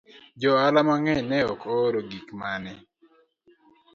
Joohala mang'eny ne ok ooro gik ma ne